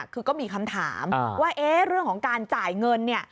คือก็มีคำถามว่าเรื่องของการจ่ายเงินเนี่ย